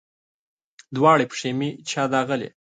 دواړې پښې مې چا داغلي